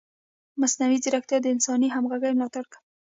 مصنوعي ځیرکتیا د انساني همغږۍ ملاتړ کوي.